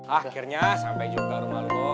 akhirnya sampai juga rumah lo bob